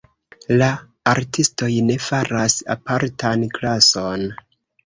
La artistoj ne faras apartan klason.